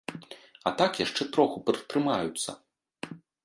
А так яшчэ троху пратрымаюцца.